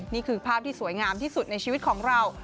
นี่คือภาพที่สวยงามที่สุดในชีวิตของเรา